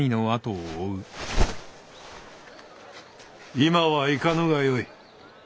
今は行かぬがよい。